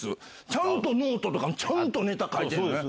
ちゃんとノートとかも、ちゃんとネタ書いてる。